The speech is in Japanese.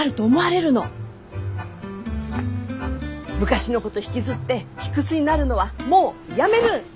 昔のこと引きずって卑屈になるのはもうやめる！